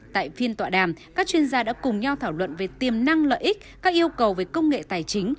tại phiên tọa đàm các chuyên gia đã cùng nhau thảo luận về tiềm năng lợi ích các yêu cầu về công nghệ tài chính